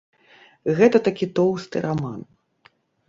Гэта такі тоўсты раман.